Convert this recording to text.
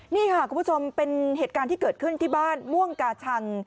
นี่ค่ะคุณผู้ชมเป็นเหตุการณ์ที่เกิดขึ้นที่บ้านม่วงกาชัง